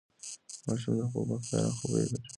د ماشوم د خوب مخکې ارام خبرې ګټورې دي.